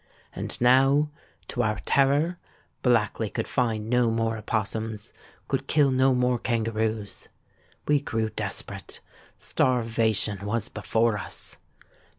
And now, to our terror, Blackley could find no more opossums—could kill no more kangaroos. We grew desperate: starvation was before us.